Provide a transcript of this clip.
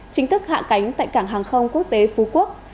chính thức hạ cánh tại cảng hàng không quốc tế phú quốc